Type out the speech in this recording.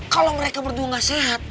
kalau mereka berdua gak sehat